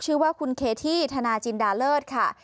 ชื่อว่าคุณเคที่ธนาจินดาเลิศค่ะ